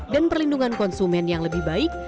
dan perlindungan konsumen yang lebih baik